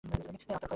আত্মার ক্ষয় করে।